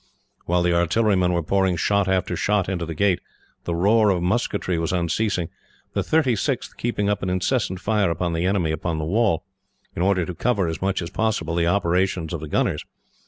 While the artillerymen were pouring shot after shot into the gate, the roar of musketry was unceasing, the 36th keeping up an incessant fire upon the enemy upon the wall, in order to cover, as much as possible, the operations of the gunners.